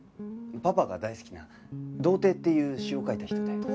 パパが大好きな『道程』っていう詩を書いた人で。